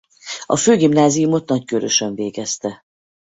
A főgimnáziumot Nagykőrösön végezte.